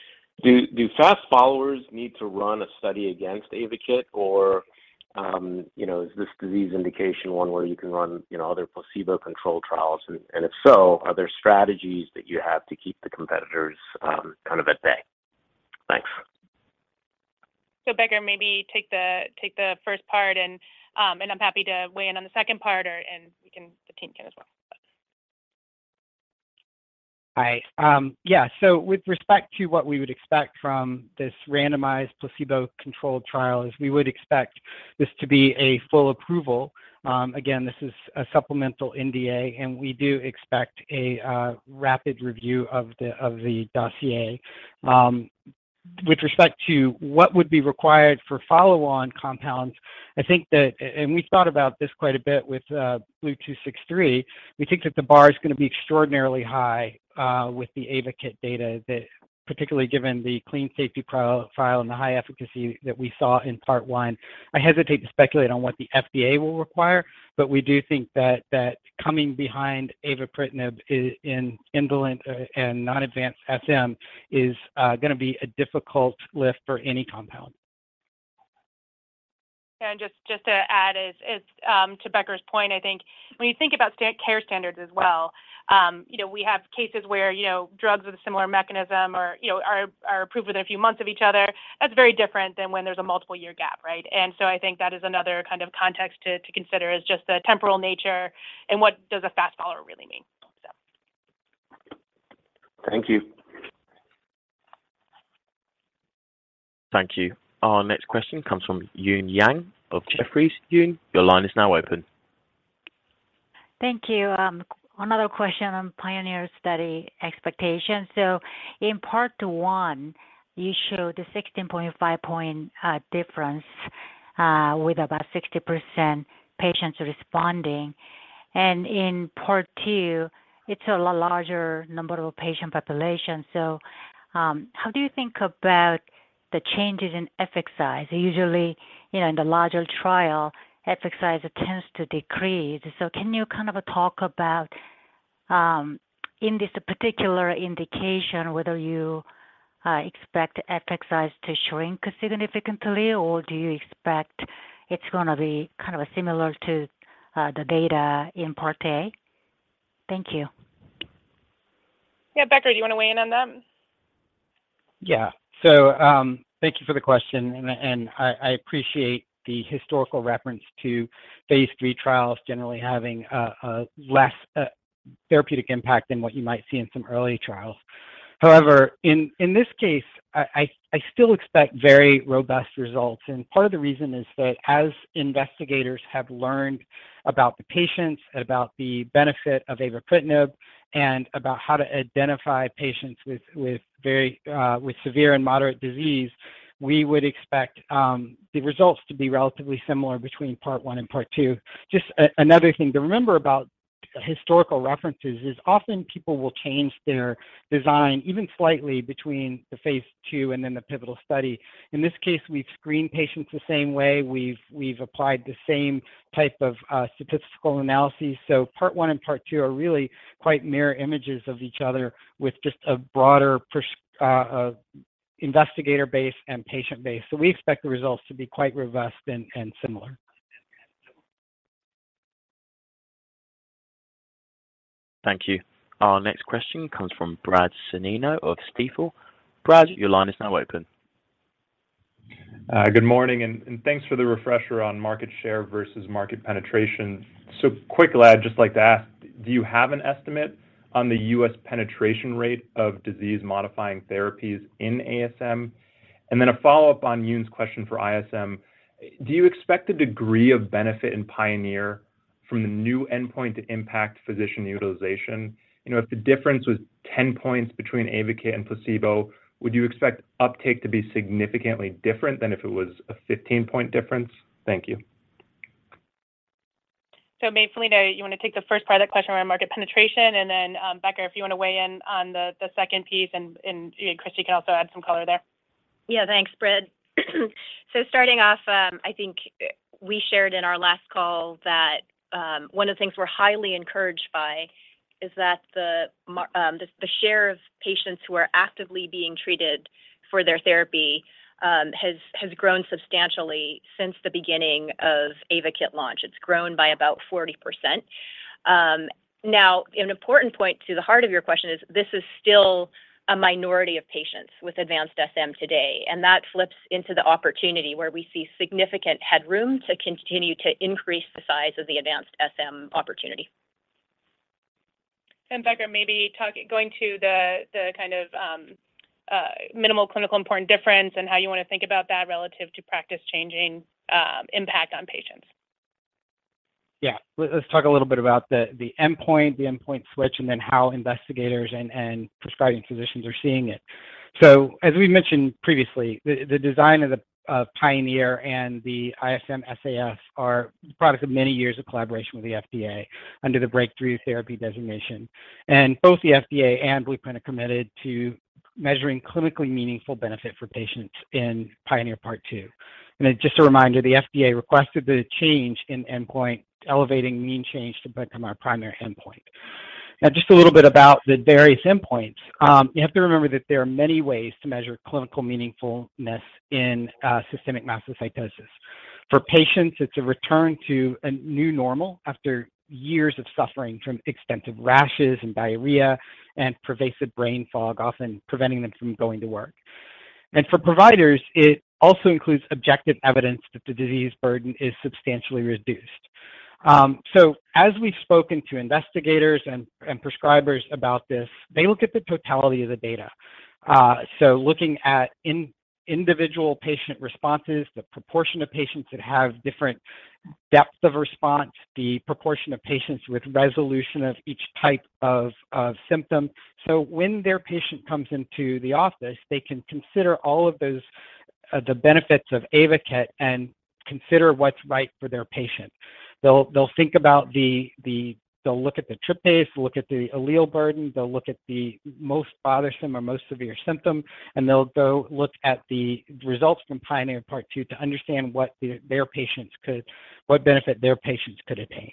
do fast followers need to run a study against AYVAKIT or, you know, is this disease indication one where you can run other placebo-controlled trials? And if so, are there strategies that you have to keep the competitors kind of at bay? Thanks. Becker, maybe take the first part and I'm happy to weigh in on the second part or and we can, the team can as well. But With respect to what we would expect from this randomized placebo-controlled trial is we would expect this to be a full approval. Again, this is a supplemental NDA, and we do expect a rapid review of the dossier. With respect to what would be required for follow-on compounds, I think that and we thought about this quite a bit with BLU-263. We think that the bar is gonna be extraordinarily high with the AYVAKIT data that particularly given the clean safety profile and the high efficacy that we saw in part one. I hesitate to speculate on what the FDA will require, but we do think that coming behind avapritinib in indolent and non-advanced SM is gonna be a difficult lift for any compound. Just to add is to Becker's point, I think when you think about standard care standards as well, you know, we have cases where, you know, drugs with a similar mechanism are approved within a few months of each other. That's very different than when there's a multiple year gap, right? I think that is another kind of context to consider is just the temporal nature and what does a fast follower really mean. Thank you. Thank you. Our next question comes from Eun Yang of Jefferies. Eun, your line is now open. Thank you. Another question on PIONEER study expectations. In part one, you showed a 16.5-point difference with about 60% patients responding. In part two, it's a larger number of patient population. How do you think about the changes in effect size? Usually, you know, in the larger trial, effect size tends to decrease. Can you kind of talk about in this particular indication, whether you expect effect size to shrink significantly, or do you expect it's gonna be kind of similar to the data in part A? Thank you. Yeah. Becker, do you want to weigh in on that? Yeah. Thank you for the question. I appreciate the historical reference to phase III trials generally having a less therapeutic impact than what you might see in some early trials. However, in this case, I still expect very robust results. Part of the reason is that as investigators have learned about the patients, about the benefit of avapritinib, and about how to identify patients with very severe and moderate disease, we would expect the results to be relatively similar between part one and part two. Just another thing to remember about historical references is often people will change their design even slightly between the phase II and then the pivotal study. In this case, we've screened patients the same way. We've applied the same type of statistical analysis. Part one and part two are really quite mirror images of each other with just a broader investigator base and patient base. We expect the results to be quite robust and similar. Thank you. Our next question comes from Brad Canino of Stifel. Bradley, your line is now open. Good morning, and thanks for the refresher on market share versus market penetration. Quickly, I'd just like to ask, do you have an estimate on the U.S. penetration rate of disease-modifying therapies in ASM? Then a follow-up on Eun's question for ISM. Do you expect the degree of benefit in PIONEER from the new endpoint to impact physician utilization? You know, if the difference was 10 points between AYVAKIT and placebo, would you expect uptake to be significantly different than if it was a 15-point difference? Thank you. Maybe Philina, you want to take the first part of that question around market penetration, and then, Becker, if you want to weigh in on the second piece, and Christina can also add some color there. Yeah, thanks, Brad. Starting off, I think we shared in our last call that one of the things we're highly encouraged by is that the share of patients who are actively being treated for their therapy has grown substantially since the beginning of AYVAKIT launch. It's grown by about 40%. Now, an important point to the heart of your question is this is still a minority of patients with advanced SM today, and that flips into the opportunity where we see significant headroom to continue to increase the size of the advanced SM opportunity. Becker, maybe going to the kind of minimal clinically important difference and how you want to think about that relative to practice-changing impact on patients. Yeah. Let's talk a little bit about the endpoint switch, and then how investigators and prescribing physicians are seeing it. As we mentioned previously, the design of PIONEER and the ISM-SAF are the product of many years of collaboration with the FDA under the breakthrough therapy designation. Both the FDA and Blueprint are committed to measuring clinically meaningful benefit for patients in PIONEER part two. Just a reminder, the FDA requested the change in endpoint, elevating mean change to become our primary endpoint. Now just a little bit about the various endpoints. You have to remember that there are many ways to measure clinical meaningfulness in systemic mastocytosis. For patients, it's a return to a new normal after years of suffering from extensive rashes and diarrhea and pervasive brain fog, often preventing them from going to work. For providers, it also includes objective evidence that the disease burden is substantially reduced. As we've spoken to investigators and prescribers about this, they look at the totality of the data. Looking at individual patient responses, the proportion of patients that have different depth of response, the proportion of patients with resolution of each type of symptom. When their patient comes into the office, they can consider all of those, the benefits of AYVAKIT and consider what's right for their patient. They'll look at the tryptase, look at the allele burden. They'll look at the most bothersome or most severe symptom, and they'll go look at the results from PIONEER part two to understand what benefit their patients could attain.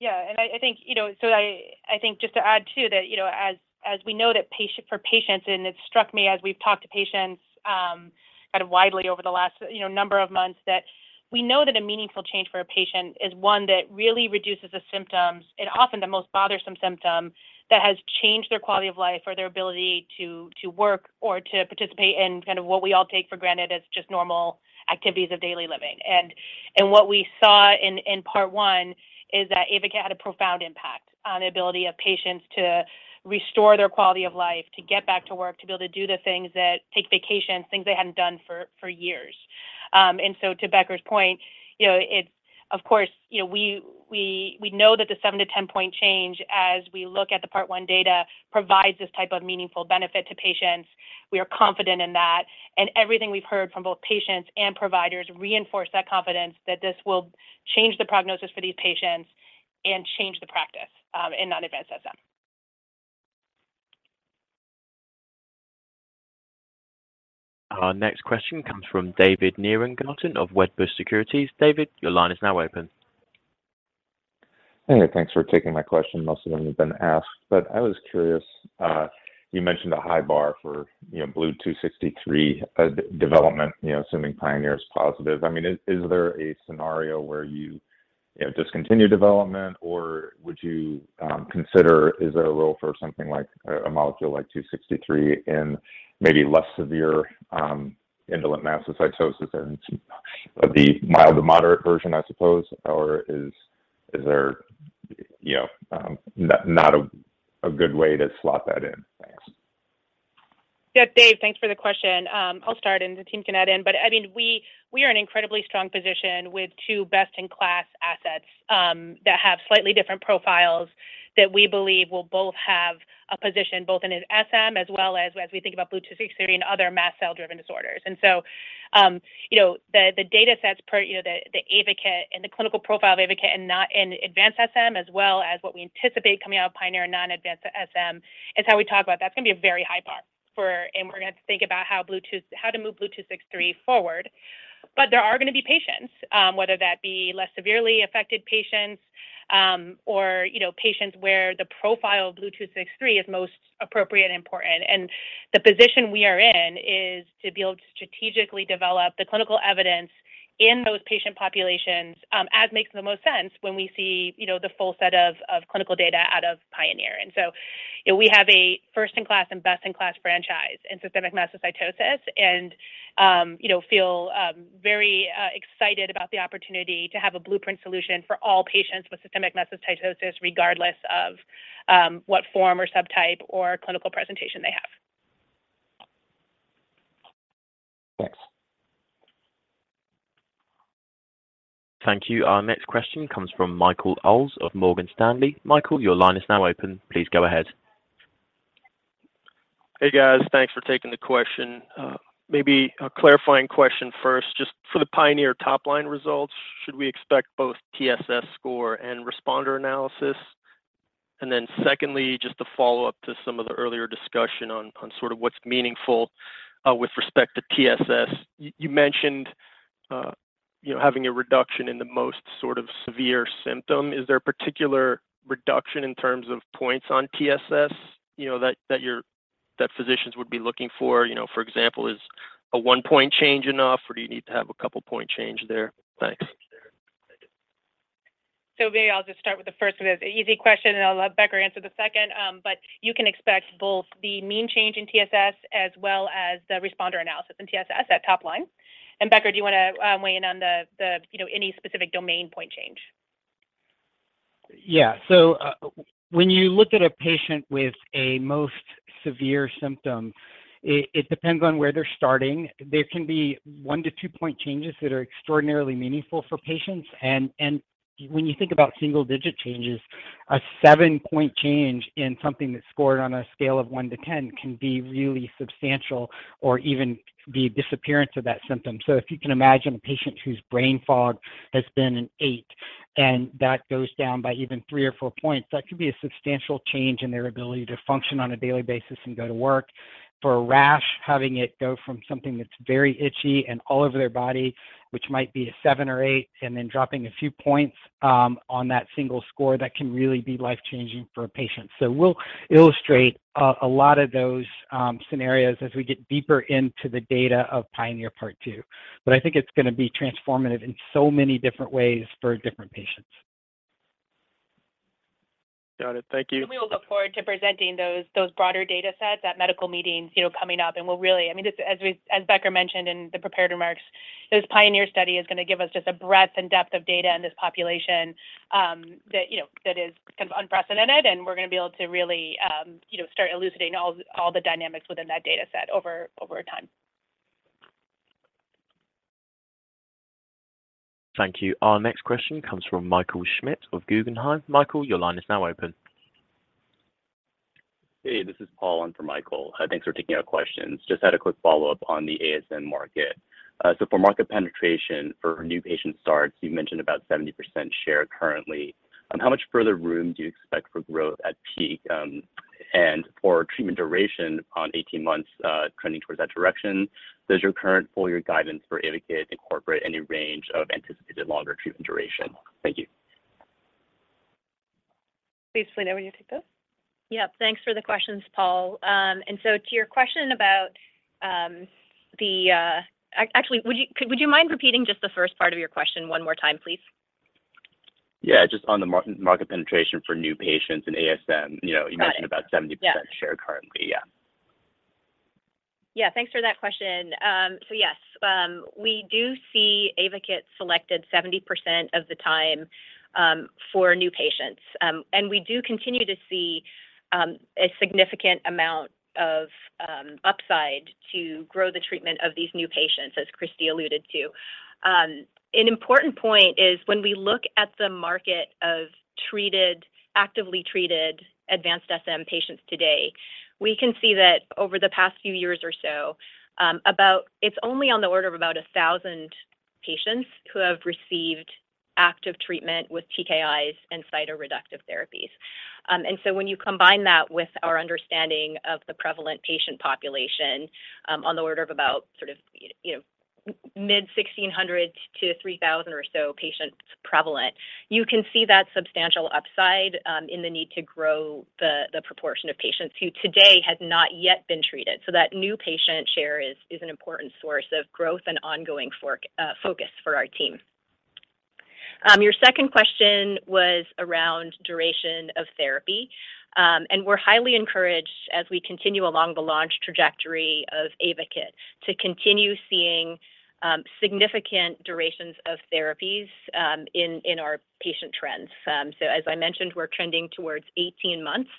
Yeah. I think, you know, just to add too that, you know, as we know for patients, and it struck me as we've talked to patients, kind of widely over the last, you know, number of months that we know that a meaningful change for a patient is one that really reduces the symptoms and often the most bothersome symptom that has changed their quality of life or their ability to work or to participate in kind of what we all take for granted as just normal activities of daily living. What we saw in part one is that AYVAKIT had a profound impact on the ability of patients to restore their quality of life, to get back to work, to be able to do the things that take vacations, things they hadn't done for years. To Becker's point, you know, it's of course, you know, we know that the 7-10-point change as we look at the part one data provides this type of meaningful benefit to patients. We are confident in that. Everything we've heard from both patients and providers reinforce that confidence that this will change the prognosis for these patients and change the practice in non-advanced SM. Our next question comes from David Nierengarten of Wedbush Securities. David, your line is now open. Hey, thanks for taking my question. Most of them have been asked, but I was curious. You mentioned a high bar for, you know, BLU-263 development, you know, assuming PIONEER is positive. I mean, is there a scenario where you know, discontinue development or would you consider is there a role for something like a molecule like 263 in maybe less severe, indolent mastocytosis and the mild to moderate version, I suppose? Or is there, you know, not a good way to slot that in? Thanks. Yeah, Dave, thanks for the question. I'll start and the team can add in. I mean, we are in incredibly strong position with two best-in-class assets that have slightly different profiles that we believe will both have a position both in SM as well as when we think about BLU-263 and other mast cell-driven disorders. You know, the data sets per, you know, the AYVAKIT and the clinical profile of AYVAKIT in advanced SM as well as what we anticipate coming out of PIONEER in non-advanced SM is how we talk about that's gonna be a very high bar for. We're gonna have to think about how to move BLU-263 forward. There are gonna be patients, whether that be less severely affected patients, or, you know, patients where the profile of BLU-263 is most appropriate and important. The position we are in is to be able to strategically develop the clinical evidence in those patient populations, as makes the most sense when we see, you know, the full set of clinical data out of PIONEER. You know, we have a first-in-class and best-in-class franchise in systemic mastocytosis and, you know, feel very excited about the opportunity to have a Blueprint solution for all patients with systemic mastocytosis, regardless of what form or subtype or clinical presentation they have. Thanks. Thank you. Our next question comes from Michael Ulz of Morgan Stanley. Michael, your line is now open. Please go ahead. Hey guys. Thanks for taking the question. Maybe a clarifying question first, just for the PIONEER top line results, should we expect both TSS score and responder analysis? Then secondly, just to follow up to some of the earlier discussion on sort of what's meaningful with respect to TSS. You mentioned you know, having a reduction in the most sort of severe symptom. Is there a particular reduction in terms of points on TSS, you know, that physicians would be looking for? You know, for example, is a one-point change enough, or do you need to have a couple point change there? Thanks. Maybe I'll just start with the first one. It's an easy question, and I'll let Becker answer the second. You can expect both the mean change in TSS as well as the responder analysis in TSS at top line. Becker, do you wanna weigh in on the you know, any specific domain point change? Yeah. When you look at a patient with a most severe symptom, it depends on where they're starting. There can be 1-2-point changes that are extraordinarily meaningful for patients and when you think about single digit changes, a 7-point change in something that's scored on a scale of 1-10 can be really substantial or even the disappearance of that symptom. If you can imagine a patient whose brain fog has been an 8, and that goes down by even 3 or 4 points, that could be a substantial change in their ability to function on a daily basis and go to work. For a rash, having it go from something that's very itchy and all over their body, which might be a seven or eight, and then dropping a few points on that single score, that can really be life-changing for a patient. We'll illustrate a lot of those scenarios as we get deeper into the data of PIONEER Part Two. I think it's gonna be transformative in so many different ways for different patients. Got it. Thank you. We will look forward to presenting those broader datasets at medical meetings, you know, coming up. We'll really, I mean, just as we, as Becker mentioned in the prepared remarks, this PIONEER study is gonna give us just a breadth and depth of data in this population, that, you know, that is kind of unprecedented, and we're gonna be able to really, you know, start elucidating all the dynamics within that dataset over time. Thank you. Our next question comes from Michael Schmidt with Guggenheim. Michael, your line is now open. Hey, this is Paul in for Michael. Thanks for taking our questions. Just had a quick follow-up on the ASM market. So for market penetration for new patient starts, you mentioned about 70% share currently. How much further room do you expect for growth at peak, and for treatment duration on 18 months, trending towards that direction? Does your current full year guidance for AYVAKIT incorporate any range of anticipated longer treatment duration? Thank you. Please, Philina, will you take this? Yep. Thanks for the questions, Paul. To your question about actually, would you mind repeating just the first part of your question one more time, please? Yeah. Just on the market penetration for new patients in ASM. You know... Got it. You mentioned about 70%... Yeah. ...share currently. Yeah. Yeah. Thanks for that question. Yes, we do see AYVAKIT selected 70% of the time for new patients. We do continue to see a significant amount of upside to grow the treatment of these new patients, as Christina alluded to. An important point is when we look at the market of treated, actively treated advanced SM patients today, we can see that over the past few years or so, it's only on the order of about 1,000 patients who have received active treatment with TKIs and cytoreductive therapies. When you combine that with our understanding of the prevalent patient population, on the order of about sort of, you know, mid-1,600 to 3,000 or so prevalent patients, you can see that substantial upside in the need to grow the proportion of patients who today has not yet been treated. That new patient share is an important source of growth and ongoing focus for our team. Your second question was around duration of therapy. We're highly encouraged as we continue along the launch trajectory of AYVAKIT to continue seeing significant durations of therapies in our patient trends. As I mentioned, we're trending towards 18 months,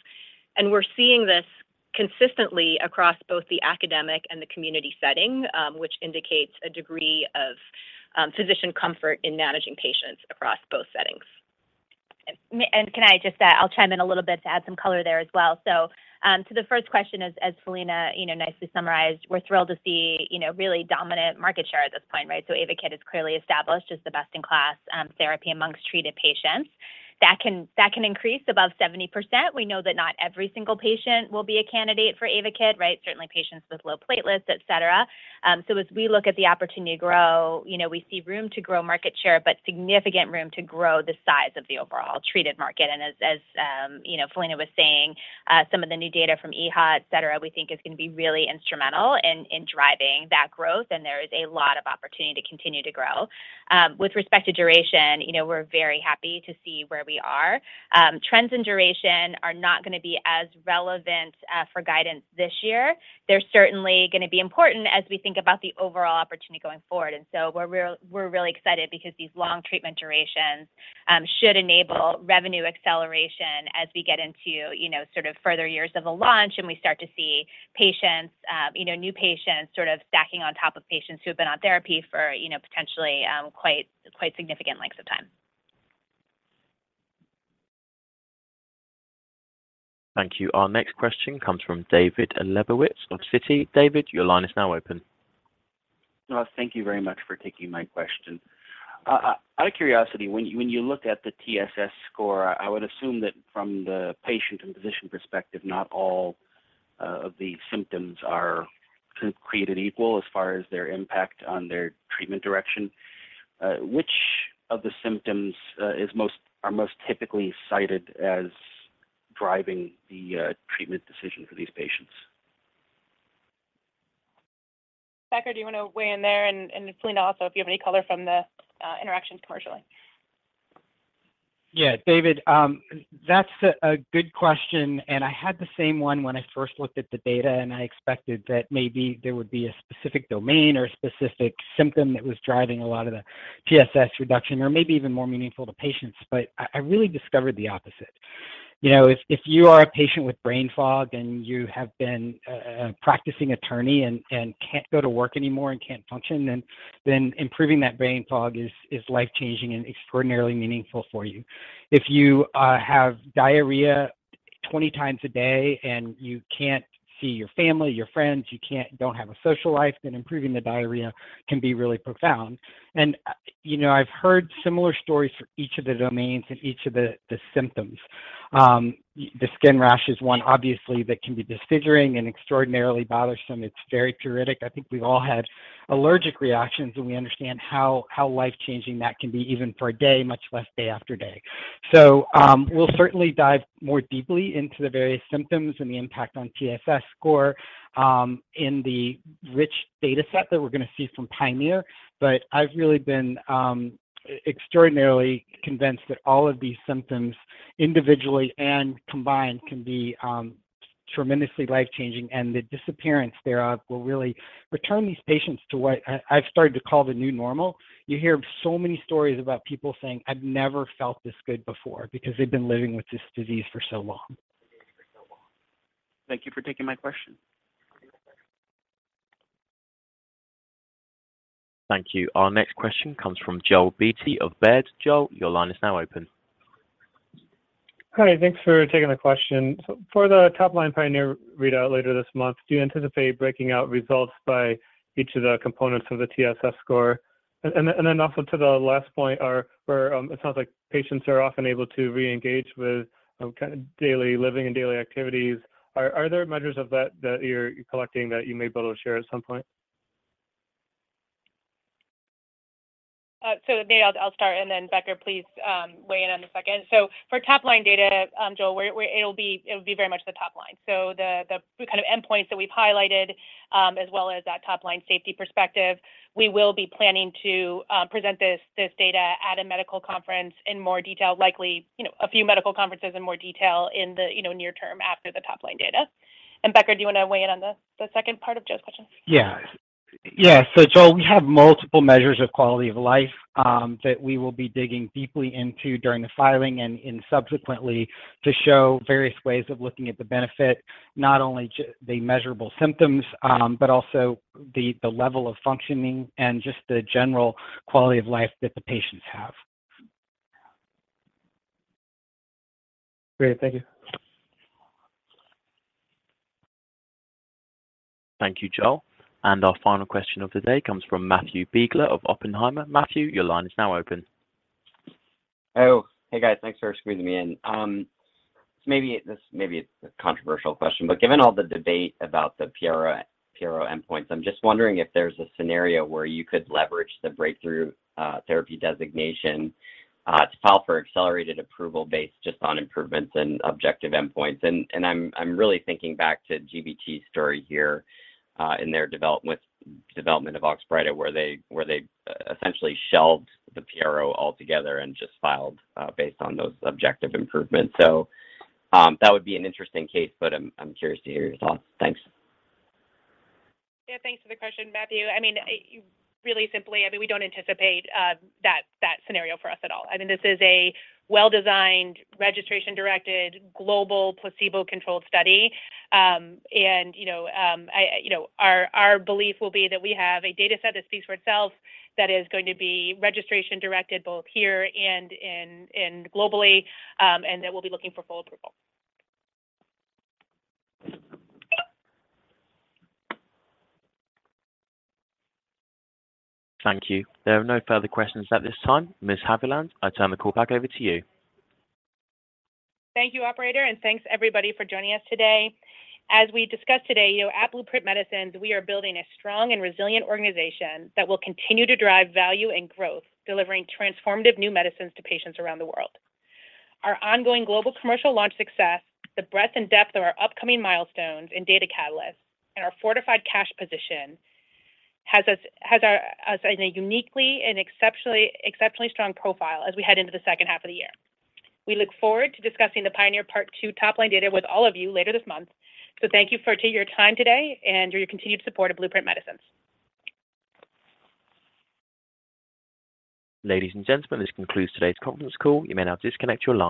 and we're seeing this consistently across both the academic and the community setting, which indicates a degree of physician comfort in managing patients across both settings. Can I just, I'll chime in a little bit to add some color there as well. To the first question, as Philina, you know, nicely summarized, we're thrilled to see, you know, really dominant market share at this point, right? AYVAKIT is clearly established as the best in class therapy amongst treated patients. That can increase above 70%. We know that not every single patient will be a candidate for AYVAKIT, right? Certainly patients with low platelets, et cetera. As we look at the opportunity to grow, you know, we see room to grow market share, but significant room to grow the size of the overall treated market. As you know, Philina was saying, some of the new data from EHA, et cetera, we think is gonna be really instrumental in driving that growth, and there is a lot of opportunity to continue to grow. With respect to duration, you know, we're very happy to see where we are. Trends and duration are not gonna be as relevant for guidance this year. They're certainly gonna be important as we think about the overall opportunity going forward. We're really excited because these long treatment durations should enable revenue acceleration as we get into, you know, sort of further years of the launch, and we start to see patients, you know, new patients sort of stacking on top of patients who have been on therapy for, you know, potentially quite significant lengths of time. Thank you. Our next question comes from David Lebowitz of Citi. David, your line is now open. Thank you very much for taking my question. Out of curiosity, when you look at the TSS score, I would assume that from the patient and physician perspective, not all of the symptoms are created equal as far as their impact on their treatment direction. Which of the symptoms are most typically cited as driving the treatment decision for these patients? Becker, do you want to weigh in there? Philina also, if you have any color from the interactions commercially. Yeah. David, that's a good question, and I had the same one when I first looked at the data, and I expected that maybe there would be a specific domain or a specific symptom that was driving a lot of the TSS reduction or maybe even more meaningful to patients. I really discovered the opposite. You know, if you are a patient with brain fog and you have been a practicing attorney and can't go to work anymore and can't function, then improving that brain fog is life-changing and extraordinarily meaningful for you. If you have diarrhea 20 times a day and you can't see your family, your friends, you don't have a social life, then improving the diarrhea can be really profound. You know, I've heard similar stories for each of the domains and each of the symptoms. The skin rash is one obviously that can be disfiguring and extraordinarily bothersome. It's very pruritic. I think we've all had allergic reactions, and we understand how life-changing that can be even for a day, much less day after day. We'll certainly dive more deeply into the various symptoms and the impact on TSS score in the rich data set that we're going to see from PIONEER. I've really been extraordinarily convinced that all of these symptoms, individually and combined, can be tremendously life-changing, and the disappearance thereof will really return these patients to what I've started to call the new normal. You hear so many stories about people saying, "I've never felt this good before," because they've been living with this disease for so long. Thank you for taking my question. Thank you. Our next question comes from Joel Beatty of Baird. Joel, your line is now open. Hi. Thanks for taking the question. For the top-line PIONEER readout later this month, do you anticipate breaking out results by each of the components of the TSS score? Then also to the last point where it sounds like patients are often able to reengage with kind of daily living and daily activities. Are there measures of that that you're collecting that you may be able to share at some point? Maybe I'll start, and then Becker, please, weigh in on the second. For top-line data, Joel, it would be very much the top line. The kind of endpoints that we've highlighted, as well as that top-line safety perspective. We will be planning to present this data at a medical conference in more detail, likely a few medical conferences in more detail in the near term after the top-line data. Becker, do you want to weigh in on the second part of Joel's question? Yeah. Yeah. Joel, we have multiple measures of quality of life that we will be digging deeply into during the filing and subsequently to show various ways of looking at the benefit, not only the measurable symptoms, but also the level of functioning and just the general quality of life that the patients have. Great. Thank you. Thank you, Joel. Our final question of the day comes from Matthew Biegler of Oppenheimer. Matthew, your line is now open. Oh, hey, guys. Thanks for squeezing me in. Maybe it's a controversial question, but given all the debate about the PRO endpoints, I'm just wondering if there's a scenario where you could leverage the breakthrough therapy designation to file for accelerated approval based just on improvements in objective endpoints. I'm really thinking back to GBT's story here in their development of Oxbryta, where they essentially shelved the PRO altogether and just filed based on those objective improvements. That would be an interesting case, but I'm curious to hear your thoughts. Thanks. Yeah. Thanks for the question, Matthew. I mean, really simply, I mean, we don't anticipate that scenario for us at all. I mean, this is a well-designed, registration-directed, global placebo-controlled study. You know, our belief will be that we have a data set that speaks for itself that is going to be registration-directed both here and in globally, and that we'll be looking for full approval. Thank you. There are no further questions at this time. Ms. Haviland, I turn the call back over to you. Thank you, operator, and thanks everybody for joining us today. As we discussed today, you know, at Blueprint Medicines, we are building a strong and resilient organization that will continue to drive value and growth, delivering transformative new medicines to patients around the world. Our ongoing global commercial launch success, the breadth and depth of our upcoming milestones and data catalysts, and our fortified cash position has us in a uniquely and exceptionally strong profile as we head into the second half of the year. We look forward to discussing the PIONEER Part Two top-line data with all of you later this month. Thank you for taking your time today and your continued support of Blueprint Medicines. Ladies and gentlemen, this concludes today's conference call. You may now disconnect your lines.